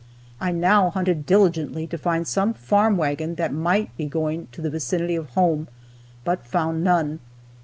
I now hunted diligently to find some farm wagon that might be going to the vicinity of home, but found none.